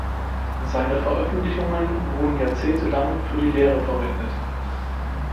Seine Veröffentlichungen wurden jahrzehntelang für die Lehre verwendet.